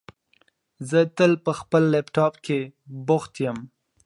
زه تل په خپل لپټاپ کېښې بوښت یم